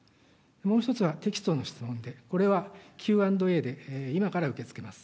もう１つはテキストの質問で、これはＱ＆Ａで、今から受け付けます。